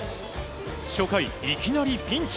初回、いきなりピンチ。